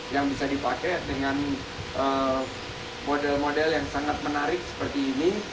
yang bisa dipakai dengan model model yang sangat menarik seperti ini